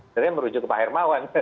sebenarnya merujuk ke pak hermawan